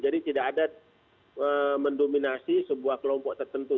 jadi tidak ada mendominasi sebuah kelompok tertentu